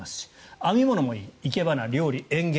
編み物もいい生け花、料理、園芸。